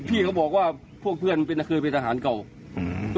พี่เขาบอกว่าพวกเพื่อนเป็นน่ะเคยเป็นทหารเก่าอืม